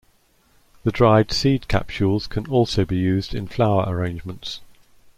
The dried seed capsules can also be used in flower arrangements.